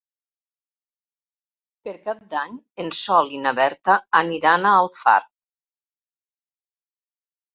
Per Cap d'Any en Sol i na Berta aniran a Alfarb.